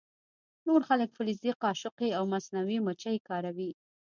نور خلک فلزي قاشقې او مصنوعي مچۍ کاروي